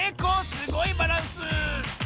すごいバランス！